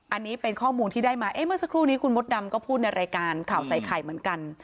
อันนี้เป็นข้อมูลที่ได้มาเมื่อสักครู่นี้คุณมดดำก็พูดในรายการข่าวใส่ไข่เหมือนกัน